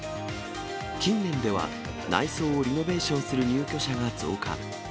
近年では、内装をリノベーションする入居者が増加。